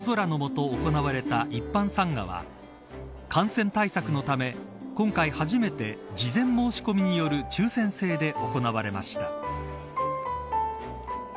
青空の下行われた一般参賀は、感染対策のため今回初めて事前申し込みによる抽選制で行われました。